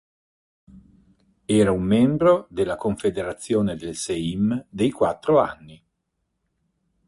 Era un membro della confederazione del Sejm dei Quattro Anni.